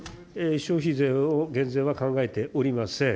消費税を減税は考えておりません。